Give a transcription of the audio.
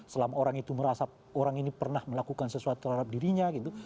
selama orang itu merasa orang ini pernah melakukan sesuatu terhadap dirinya gitu